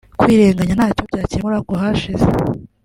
kwirenganya ntacyo byakemura ku hashize